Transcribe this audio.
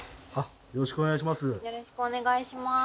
よろしくお願いします。